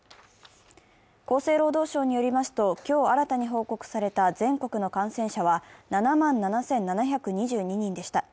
厚生労働省によりますと今日新たに報告された全国の感染者は７万７７２２人でした。